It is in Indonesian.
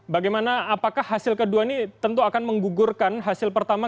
bagaimana apakah hasil kedua ini tentu akan menggugurkan hasil pertama